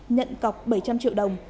nhận cọc bảy trăm linh triệu đồng